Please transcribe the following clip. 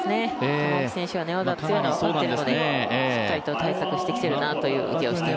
玉置選手は寝技強いのが分かっていてしっかりと対策をしてきているなという感じがします。